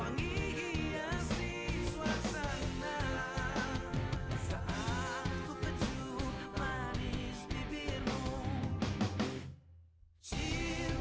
wangi hiasi suasana